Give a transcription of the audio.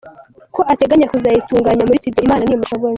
com ko ateganya kuzayitunganya muri studio Imana nimushoboza.